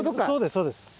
そうですそうです。